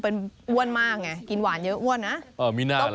เป็นอ้วนมากไงกินหวานเยอะอ้วนนะ